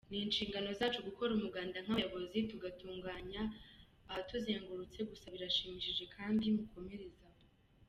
Ni inshingano zacu gukora umuganda nk’abayobozi tugatunganya ahatuzengurutse, gusa birashimishije kandi mukomereze aho.